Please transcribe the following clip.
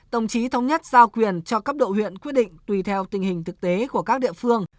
đồng chí thống nhất giao quyền cho cấp độ huyện quyết định tùy theo tình hình thực tế của các địa phương